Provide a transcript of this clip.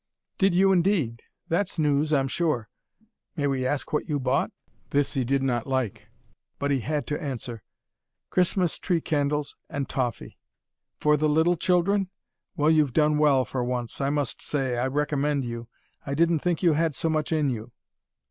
"Did you indeed? That's news, I'm sure. May we ask what you bought?" This he did not like. But he had to answer. "Christmas tree candles, and toffee." "For the little children? Well you've done well for once! I must say I recommend you. I didn't think you had so much in you."